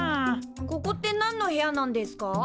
ここってなんの部屋なんですか？